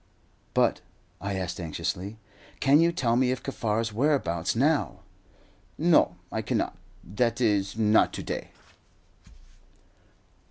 "But," I asked anxiously, "can you tell me Kaffar's whereabouts now?" "No, I cannot that is, not to day."